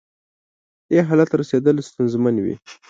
دې حالت رسېدل ستونزمن وي.